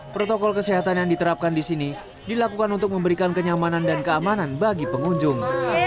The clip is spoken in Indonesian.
protokol kesehatan yang diterapkan di sini dilakukan untuk memberikan kenyamanan dan keamanan bagi pengunjung